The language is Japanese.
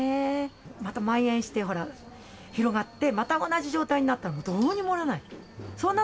またまん延して、ほら、広がって、また同じ状態になったらどうにもならない。